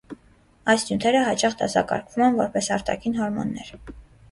Այս նյութերը հաճախ դասակարգվում են որպես արտաքին հորմոններ։